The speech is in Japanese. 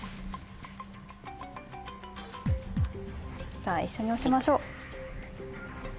じゃあ一緒に押しましょう。